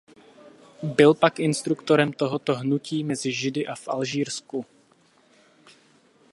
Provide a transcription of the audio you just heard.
Byl pak instruktorem tohoto hnutí mezi Židy v Alžírsku.